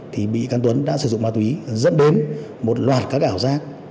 thì bị cán tuấn đã sử dụng ma túy dẫn đến một loạt các ảo giác